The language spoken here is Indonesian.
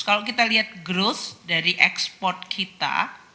kalau kita lihat growth dari ekspor kita